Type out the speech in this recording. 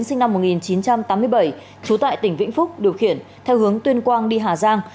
sinh năm một nghìn chín trăm tám mươi bảy trú tại tỉnh vĩnh phúc điều khiển theo hướng tuyên quang đi hà giang